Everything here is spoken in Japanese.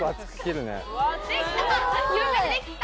できた！